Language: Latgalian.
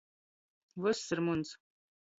Vyss ir muns.